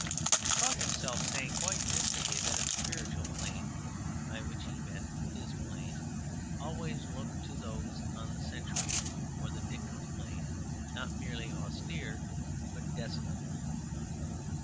He caught himself saying quite mystically that a spiritual plane (by which he meant his plane) always looked to those on the sensual or Dickens plane, not merely austere, but desolate.